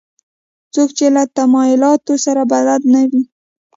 څوک چې له تمایلاتو سره بلد نه وي.